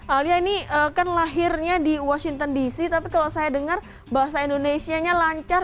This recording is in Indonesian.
alia ini kan lahirnya di washington dc tapi kalau saya dengar bahasa indonesia nya lancar